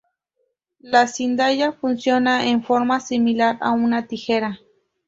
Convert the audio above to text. La cizalla funciona en forma similar a una tijera.